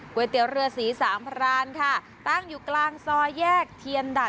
เตี๋ยวเรือสีสามพรานค่ะตั้งอยู่กลางซอยแยกเทียนดัด